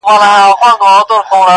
o تر اوبو د مخه گاولي مه کاږه٫